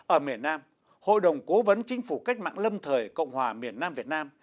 ở miền nam hội đồng cố vấn chính phủ cách mạng lâm thời cộng hòa miền nam việt nam